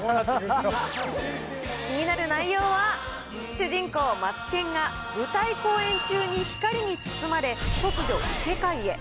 気になる内容は、主人公、マツケンが舞台公演中に光に包まれ、突如、異世界へ。